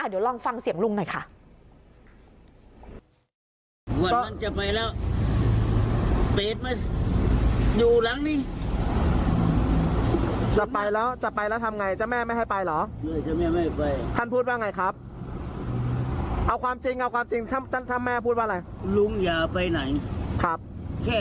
เดี๋ยวลองฟังเสียงลุงหน่อยค่ะ